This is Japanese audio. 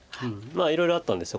いろいろあったんですが